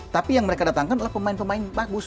tapi yang mereka datangkan adalah pemain pemain bagus